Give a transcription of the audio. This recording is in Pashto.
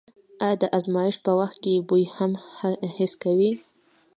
آیا د ازمایښت په وخت کې بوی هم حس کوئ؟